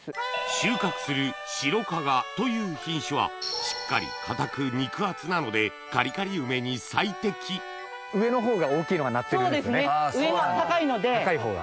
収穫する白加賀という品種はしっかり硬く肉厚なのでカリカリ梅に最適上のほうが大きいのがなってるんですよね。